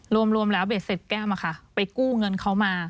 รวมแล้วเบสเสร็จแก้มอ่ะค่ะไปกู้เงินเขามา